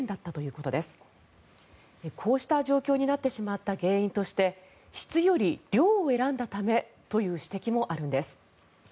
こうした状況になってしまった原因として質より量を選んだためという指摘もあるんです。